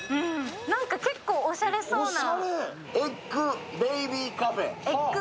なんか結構おしゃれそうな。